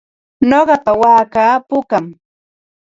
Nuqapa waakaa pukam.